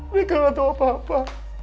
mereka gak tahu apa apa